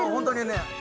本当にね。